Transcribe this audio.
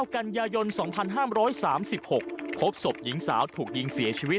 มันกลับมาแล้ว